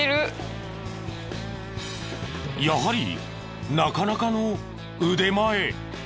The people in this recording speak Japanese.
やはりなかなかの腕前！